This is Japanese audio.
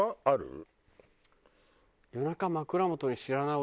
ある？